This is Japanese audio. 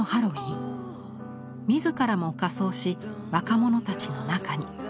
自らも仮装し若者たちの中に。